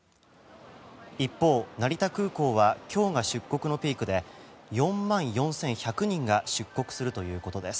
一方、成田空港は今日が出国のピークで４万４１００人が出国するということです。